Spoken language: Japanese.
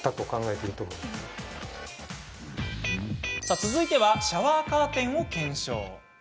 続いてはシャワーカーテンを検証。